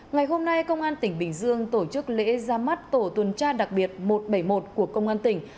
ngày hôm nay công an tỉnh bình dương tổ chức lễ ra mắt tổ tuần tra đặc biệt một trăm bảy mươi một của công an tỉnh